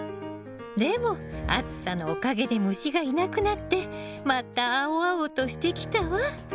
でも暑さのおかげで虫がいなくなってまた青々としてきたわ。